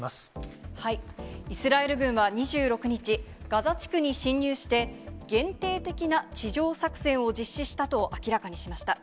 イスラエル軍は２６日、ガザ地区に侵入して、限定的な地上作戦を実施したと明らかにしました。